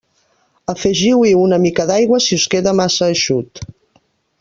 Afegiu-hi una mica d'aigua si us queda massa eixut.